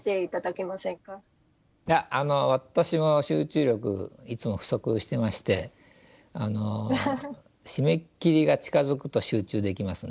いやあの私も集中力いつも不足してまして締め切りが近づくと集中できますね。